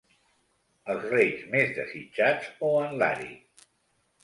Els reis més desitjats o en Lari.